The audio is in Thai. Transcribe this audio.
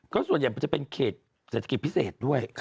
ก็ส่วนใหญ่จะเป็นเศรษฐกิจพิเศษแบบด้วย